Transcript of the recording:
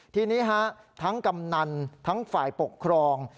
ทีนี้ทั้งกำนันทั้งฝ่ายปกครอง